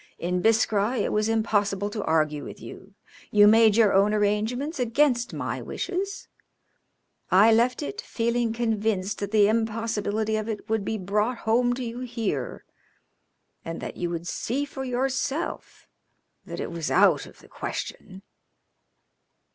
In Biskra it was impossible to argue with you. You made your own arrangements against my wishes. I left it, feeling convinced that the impossibility of it would be brought home to you here, and that you would see for yourself that it was out of the question.